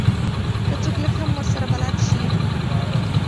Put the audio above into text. که څوک لږ هم ورسره بلد شي.